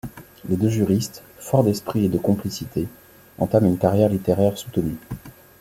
Les deux juristes, forts d’esprit et de complicité, entament une carrière littéraire soutenue.